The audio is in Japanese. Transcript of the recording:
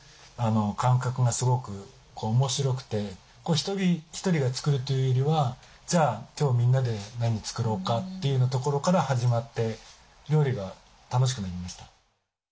一人一人が作るというよりはじゃあ今日みんなで何作ろうかというなところから始まって料理が楽しくなりました。